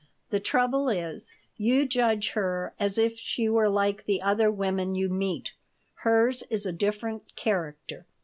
The trouble is, you judge her as if she were like the other women you meet. Hers is a different character."